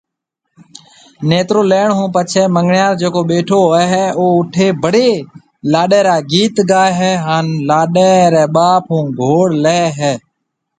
نيترو ليڻ ھونپڇي او منڱڻهار جڪو ٻيٺو هوئي او اُٺي ڀڙي لاڏي را گيت گاوي هي هان لاڏي ري ٻاپ ھونگھور لي هي